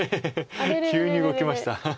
急に動きました。